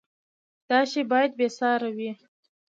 دا شی باید بې ساری وي.